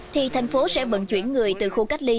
thì thành phố sẽ vận chuyển người từ khu cách ly